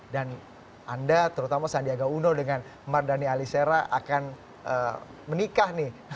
dan anda terutama sandiaga uno dengan mardhani alisera akan menikah nih